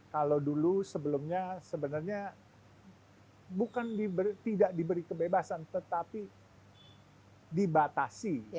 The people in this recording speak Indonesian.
kalau dulu sebelumnya sebenarnya bukan tidak diberi kebebasan tetapi dibatasi